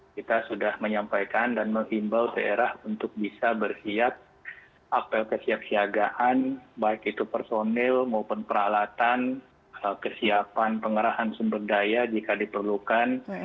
kita sudah menyampaikan dan menghimbau daerah untuk bisa bersiap apel kesiapsiagaan baik itu personil maupun peralatan kesiapan pengerahan sumber daya jika diperlukan